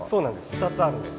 ２つあるんです。